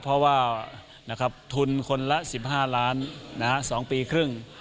เพราะว่าทุนคนละ๑๕ล้าน๒ปีครึ่ง